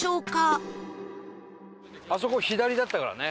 あそこ左だったからね。